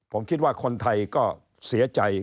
ผมคิดว่าคนไทยก็เสียใจ